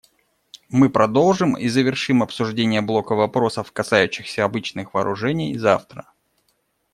Мы продолжим и завершим обсуждение блока вопросов, касающихся обычных вооружений, завтра.